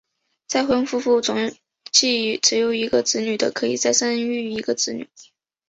再婚夫妇总计只有一个子女的可以再生育一个子女。